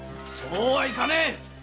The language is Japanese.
そうはいかねえ！